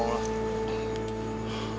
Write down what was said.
terbaliklah kalau ngomong